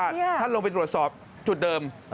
ท่านลงไปตรวจสอบจุดเดิม